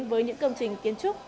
với những công trình kiến trúc